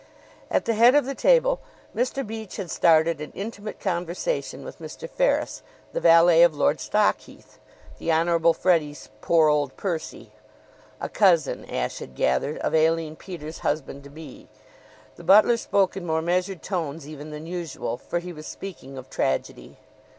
At the head of the table Mr. Beach had started an intimate conversation with Mr. Ferris, the valet of Lord Stockheath, the Honorable Freddie's "poor old Percy" a cousin, Ashe had gathered, of Aline Peters' husband to be. The butler spoke in more measured tones even than usual, for he was speaking of tragedy.